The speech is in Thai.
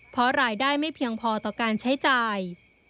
เพราะรายได้ไม่เพียงพอต่อการใช้จ่าย